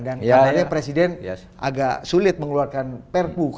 dan akhirnya presiden agak sulit mengeluarkan perpuk